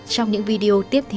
trong những video tiếp theo